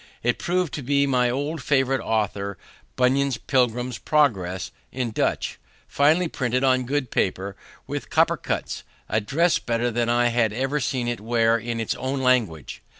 It proved to be my old favorite author, Bunyan's Pilgrim's Progress, in Dutch, finely printed on good paper, with copper cuts, a dress better than I had ever seen it wear in its own language.